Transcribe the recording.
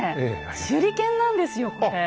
手裏剣なんですよこれ。